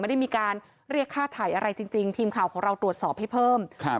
ไม่ได้มีการเรียกค่าถ่ายอะไรจริงจริงทีมข่าวของเราตรวจสอบให้เพิ่มครับ